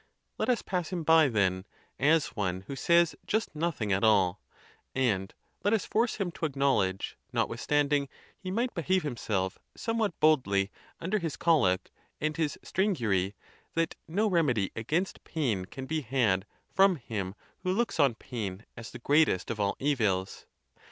Let us pass him by, then, as one who says just nothing at all; and let us force him to acknowledge, notwithstanding he might behave himself somewhat boldly under his colic and his strangury, that no remedy against pain can be had from him who looks on pain as the greatest of all evils.